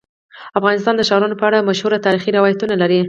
افغانستان د ښارونه په اړه مشهور تاریخی روایتونه لري.